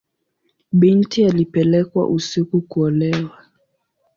Binti alipelekwa usiku kuolewa.